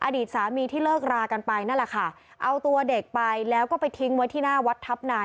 อดีตสามีที่เลิกรากันไปนั่นแหละค่ะเอาตัวเด็กไปแล้วก็ไปทิ้งไว้ที่หน้าวัดทัพนาย